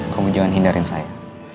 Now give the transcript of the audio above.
kamu jangan hindari saya